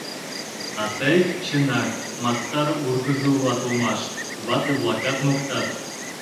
— А тый, чынак, мастар ургызо улат улмаш, вате-влакат моктат.